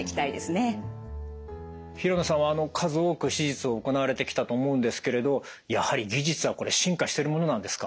平能さんは数多く手術を行われてきたと思うんですけれどやはり技術はこれ進化してるものなんですか？